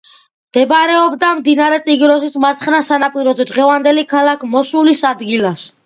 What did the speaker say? მდებარეობდა მდინარე ტიგროსის მარცხენა სანაპიროზე, დღევანდელი ქალაქ მოსულის ადგილას.